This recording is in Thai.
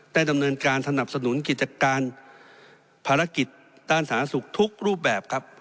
ดำเนินการสนับสนุนกิจการภารกิจด้านสาธารณสุขทุกรูปแบบครับ